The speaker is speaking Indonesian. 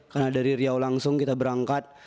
karena dari riau langsung kita berangkat